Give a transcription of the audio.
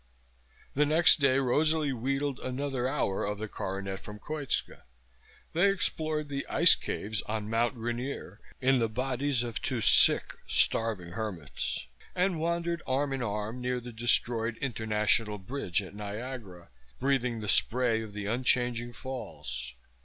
The next day Rosalie wheedled another hour of the coronet from Koitska. They explored the ice caves on Mount Rainier in the bodies of two sick, starving hermits and wandered arm in arm near the destroyed International Bridge at Niagara, breathing the spray of the unchanging Falls.